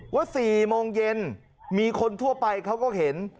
ว่า๔โมงเย็นมีคนทั่วไปเขาก็เห็น